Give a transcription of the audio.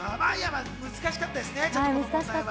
難しかったですね。